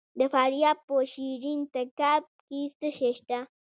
د فاریاب په شیرین تګاب کې څه شی شته؟